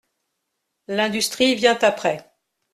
L'industrie vient après.